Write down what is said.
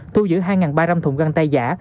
thu giữ hai ba trăm linh thùng găng tay giả